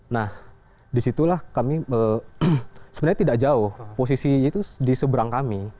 nah di situlah kami sebenarnya tidak jauh posisi itu di seberang kami